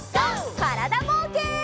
からだぼうけん。